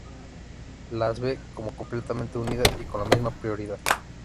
Las ve como completamente unidas y con la misma prioridad.